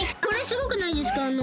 これすごくないですか？